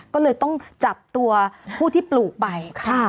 ก็เลยต้องจับตัวผู้ที่ปลูกไป